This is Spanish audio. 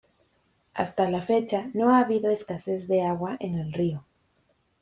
Hasta la fecha, no ha habido escasez de agua en el río.